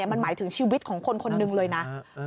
มันหมายถึงชีวิตของคนคนหนึ่งเลยนะ